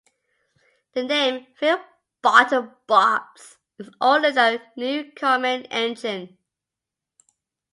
The name "Fairbottom Bobs" is older than the Newcomen engine.